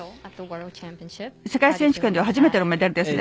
世界選手権では初めてのメダルですね。